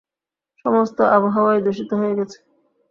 সমস্ত আবহাওয়াই দূষিত হয়ে গেছে।